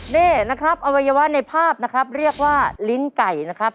นี่นะครับอวัยวะในภาพนะครับเรียกว่าลิ้นไก่นะครับ